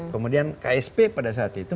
kemudian ksp pada saat itu